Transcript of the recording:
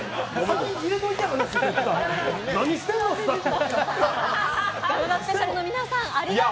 何してんのスタッフ。